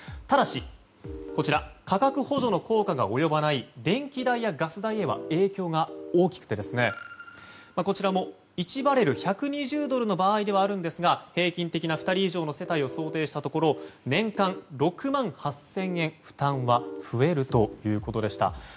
ただし価格補助の効果が及ばない電気代やガス代へは影響が大きくてこちらも１バレル＝１２０ドルの場合ではあるんですが平均的な２人以上の世帯を想定したところ年間６万８０００円負担は増えるということでした。